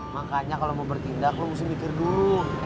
makanya kalau mau bertindak lo mesti mikir dulu